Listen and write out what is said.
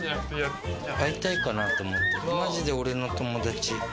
会いたいかなと思ってマジで。